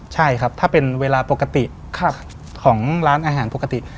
ใช่ครับถ้าเป็นเวลาปกติของร้านอาหารปกติ